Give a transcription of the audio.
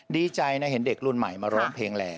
ดีใจนะเห็นเด็กรุ่นใหม่มาร้องเพลงแหล่